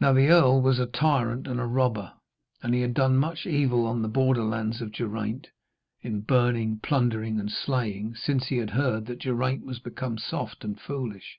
Now the earl was a tyrant and a robber, and had done much evil on the borderlands of Geraint, in burning, plundering and slaying, since he had heard that Geraint was become soft and foolish.